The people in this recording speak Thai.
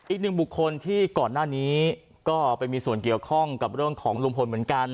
อีกหนึ่งบุคคลที่ก่อนหน้านี้ก็ไปมีส่วนเกี่ยวข้องกับเรื่องของลุงพลเหมือนกัน